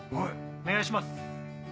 お願いします！